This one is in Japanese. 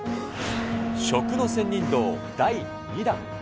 食の仙人道第２弾。